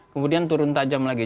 kemudian turun tajam lagi